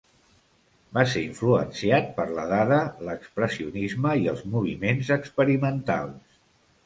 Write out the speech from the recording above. Va ser influenciat per la dada, l'expressionisme i els moviments experimentals.